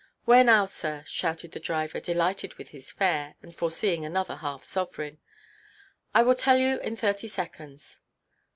"Where now, sir?" shouted the driver, delighted with his fare, and foreseeing another half–sovereign. "I will tell you in thirty seconds."